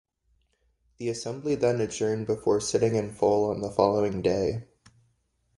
The assembly then adjourned before sitting in full on the following day.